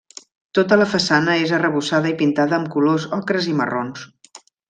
Tota la façana és arrebossada i pintada amb colors ocres i marrons.